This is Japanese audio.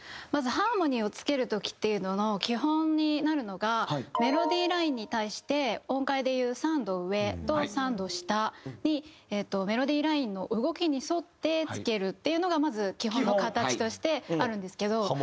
まずハーモニーをつける時っていうのの基本になるのがメロディーラインに対して音階でいう３度上と３度下にメロディーラインの動きに沿ってつけるっていうのがまず基本の形としてあるんですけど。